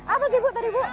apa sih bu tadi bu